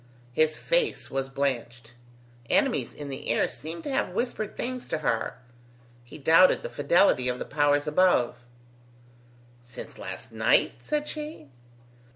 His face was blanched: enemies in the air seemed to have whispered things to her: he doubted the fidelity of the Powers above. "Since last night?" said she.